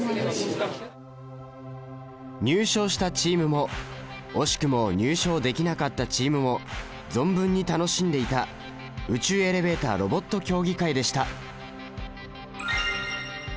入賞したチームも惜しくも入賞できなかったチームも存分に楽しんでいた宇宙エレベーターロボット競技会でした。